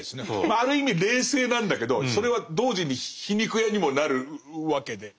まあある意味冷静なんだけどそれは同時に皮肉屋にもなるわけで。